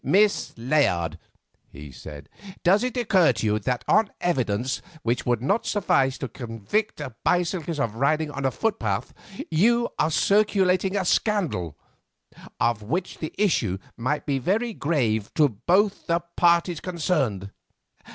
"Miss Layard," he said, "does it occur to you that on evidence which would not suffice to convict a bicyclist of riding on a footpath, you are circulating a scandal of which the issue might be very grave to both the parties concerned?"